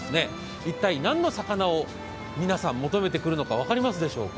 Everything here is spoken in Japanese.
一体、何の魚を求めてくるのか、分かりますでしょうか。